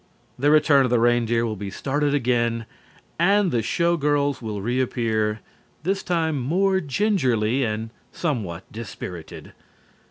"The Return of the Reindeer" will be started again and the show girls will reappear, this time more gingerly and somewhat dispirited.